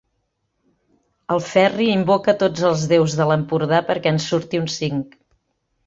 El Ferri invoca tots els déus de l'Empordà perquè ens surti un cinc.